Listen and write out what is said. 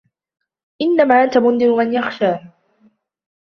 إنما أنت منذر من يخشاها